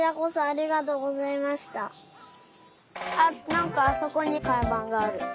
あっなんかあそこにかんばんがある。